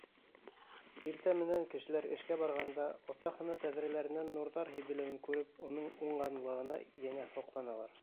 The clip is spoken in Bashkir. Иртә менән кешеләр эшкә барғанда оҫтахана тәҙрәләренән нурҙар һибелеүен күреп, уның уңғанлығына йәнә һоҡланалар.